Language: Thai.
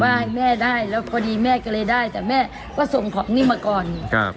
ให้แม่ได้แล้วพอดีแม่ก็เลยได้แต่แม่ก็ส่งของนี่มาก่อนครับ